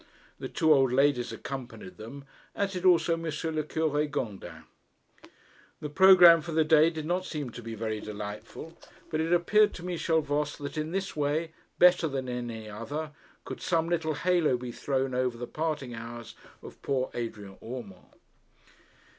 The two old ladies accompanied them, as did also M. le Cure Gondin. The programme for the day did not seem to be very delightful; but it appeared to Michel Voss that in this way, better than in any other, could some little halo be thrown over the parting hours of poor Adrian Urmand.